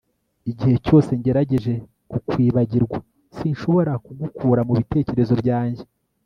igihe cyose ngerageje kukwibagirwa, sinshobora kugukura mubitekerezo byanjye